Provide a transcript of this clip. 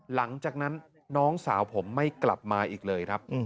หลังจากนั้นน้องสาวผมไม่กลับมาอีกเลยครับ